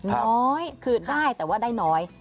น้อยคือได้แต่ว่าได้น้อย